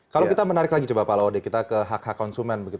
kalau kita menarik lagi coba pak laude kita ke hak hak konsumen